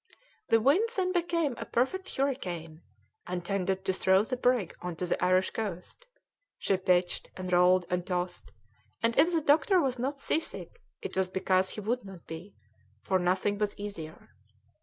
The wind then became a perfect hurricane, and tended to throw the brig on to the Irish coast; she pitched, and rolled, and tossed, and if the doctor was not seasick it was because he would not be, for nothing was easier.